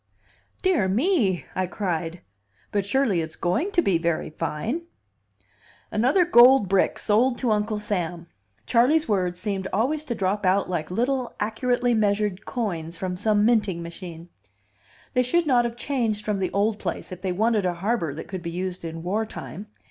"Dear me!" I cried. "But surely it's going to be very fine!" "Another gold brick sold to Uncle Sam." Charley's words seemed always to drop out like little accurately measured coins from some minting machine. "They should not have changed from the old place if they wanted a harbor that could be used in war time.